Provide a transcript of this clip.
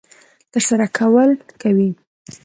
ترسره کول کوي.